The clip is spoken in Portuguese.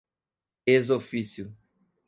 ex officio